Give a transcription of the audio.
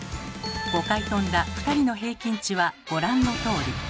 ５回跳んだ２人の平均値はご覧のとおり。